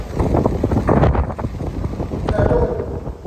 中华尾孢虫为尾孢科尾孢虫属的动物。